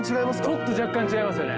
ちょっと若干違いますよね